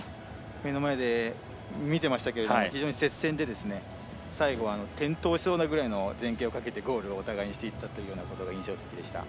目の前で見てましたけれども非常に接戦で最後は転倒しそうなぐらいの前傾をかけてゴールをお互いにしていった印象的でした。